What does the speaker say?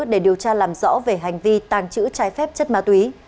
để điều tra làm rõ về hành vi tàng trữ trái phép chất ma túy